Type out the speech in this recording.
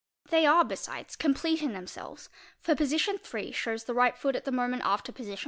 Phey are besides complete in themselves, for position III. shows the ght foot at the moment after position I.